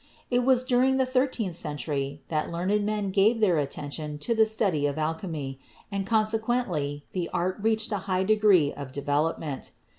It was during the thirteenth century that learned men gave their attention to the study of alchemy, and conse quently the art reached a high degree of development.